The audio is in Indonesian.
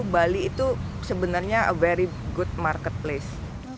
bali itu sebenarnya a very good marketplace